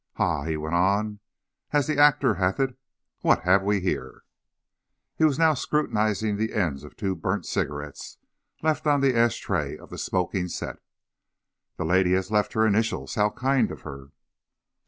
"Ha!" he went on, "as the actor hath it, what have we here!" He was now scrutinizing the ends of two burnt cigarettes, left on the ash tray of the smoking set. "The lady has left her initials! How kind of her!"